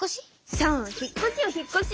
そう引っこしよ引っこし！